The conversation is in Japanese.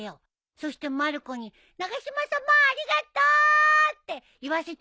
そしてまる子に「長嶋さまありがとう！」って言わせておくれよ。